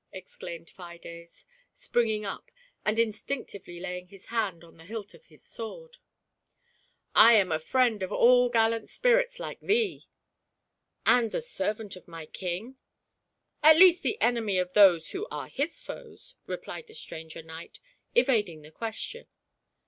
exclaimed Fides, springing up, and instinctively laying his hand on the hilt of his sword. GIANT PRIDE. 151 " I am a friend to all gallant spirits like thee." " And a servant of my King ?" At least the enemy of those who are his foes," re plied the stranger knight, evading the question.